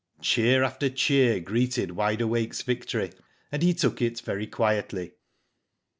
Cheer after cheer greeted Wide Awakens victory, and he took it very quietly.